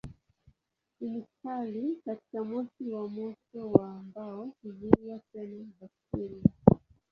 Kemikali katika moshi wa moto wa mbao huzuia tena bakteria.